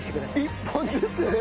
１本ずつ！？